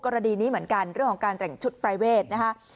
กรณีนี้เหมือนกันเรื่องของการแต่งชุดปรายเวทนะคะ